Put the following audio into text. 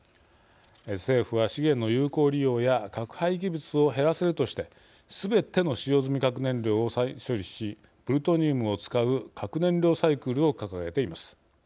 政府は、資源の有効利用や核廃棄物を減らせるとしてすべての使用済み核燃料を再処理しプルトニウムを使う核燃料サイクルを掲げています。